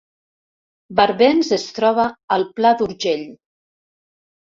Barbens es troba al Pla d’Urgell